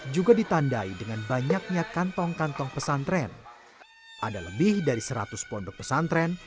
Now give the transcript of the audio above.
juga ditandai dengan banyaknya kantong kantong pesantren ada lebih dari seratus pondok pesantren